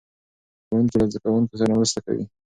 ښوونکي له زده کوونکو سره مرسته کوي.